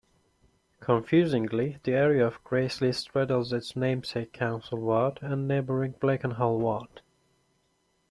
Confusingly, the area of Graiseley straddles its namesake council ward and neighbouring Blakenhall ward.